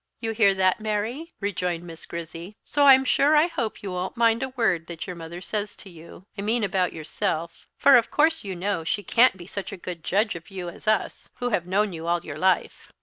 "You hear that, Mary," rejoined Miss Grizzy; "so I'm sure I hope you won't mind a word that your mother says to you, I mean about yourself; for of course you know she can't be such a good judge of you as us, who have known you all your life.